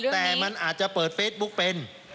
แต่มันอาจจะเปิดเฟซบุ๊กเป็น